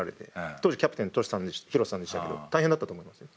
当時キャプテン廣瀬さんでしたけど大変だったと思いますよ。